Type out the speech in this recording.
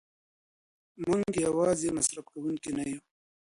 موږ یوازې مصرف کوونکي نه یو.